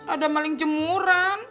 ada maling jemuran